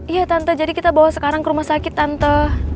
iya tanto jadi kita bawa sekarang ke rumah sakit tanto